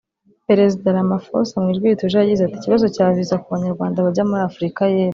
Perezida Ramaphosa mu ijwi rituje yagize ati “Ikibazo cya viza ku Banyarwanda bajya muri Afurika y’Epfo